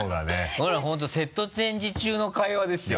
こんなの本当セットチェンジ中の会話ですよ。